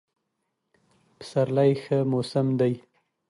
پسرلی ښه موسم دی.